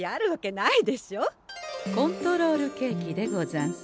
コントロールケーキでござんす。